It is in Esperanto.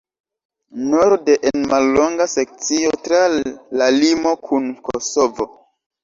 Norde en mallonga sekcio tra la limo kun Kosovo.